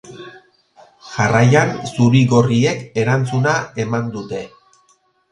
Jarraian, zurigorriek erantzuna eman dute.